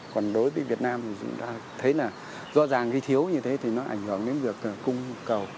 còn đối với việt nam thì chúng ta thấy là do ràng cái thiếu như thế thì nó ảnh hưởng đến việc cung cầu